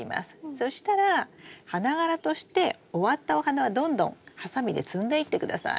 そしたら花がらとして終わったお花はどんどんハサミで摘んでいって下さい。